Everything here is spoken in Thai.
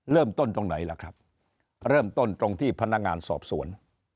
เริ่มต้นตรงไหนล่ะครับเริ่มต้นตรงที่พนักงานสอบสวน